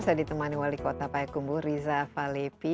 saya ditemani wali kota payak gumbu riza faleepi